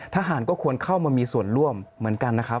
ทหารก็ควรเข้ามามีส่วนร่วมเหมือนกันนะครับ